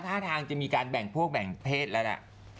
ท่าทางจะมีการแบ่งพวกแบ่งเพศแล้วล่ะ